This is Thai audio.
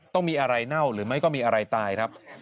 ต้องมีอะไรเน่าหรือไม่ก็มีอะไรตายครับ